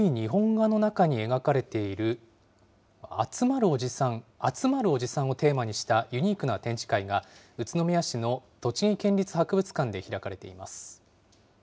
古い日本画の中に描かれている集まるおじさんをテーマにしたユニークな展示会が、宇都宮市の栃木県立博物館で開かれています。